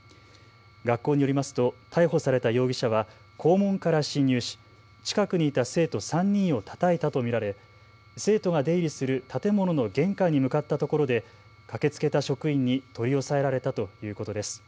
学校によりますと逮捕された容疑者は校門から侵入し近くにいた生徒３人をたたいたと見られ生徒が出入りする建物の玄関に向かったところで駆けつけた職員に取り押さえられたということです。